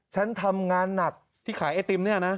ฉันทำงานหนักที่ขายไอติมเนี่ยนะ